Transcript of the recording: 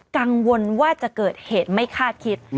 กังวลว่าจะเกิดเหตุไม่คาดคิด